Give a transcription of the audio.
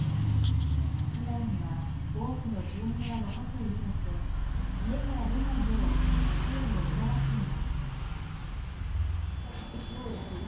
市内には多くの住民が残っているとして家から出ないよう注意を促しています。